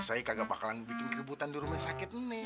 saya kagak bakalan bikin kerebutan di rumah sakit ini